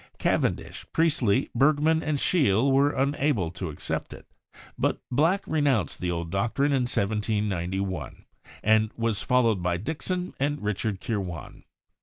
Cavendish, Priestley, Bergman, and Scheele were unable to accept it, but Black renounced the old doctrine in 1791, and was fol lowed by Dickson and Richard Kirwan.